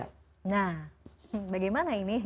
nah bagaimana ini